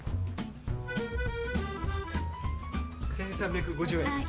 １３５０円です。